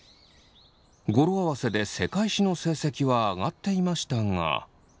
語呂合わせで世界史の成績は上がっていましたが。